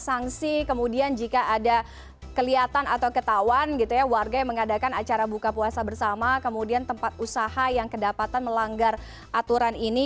sangsi kemudian jika ada kelihatan atau ketahuan gitu ya warga yang mengadakan acara buka puasa bersama kemudian tempat usaha yang kedapatan melanggar aturan ini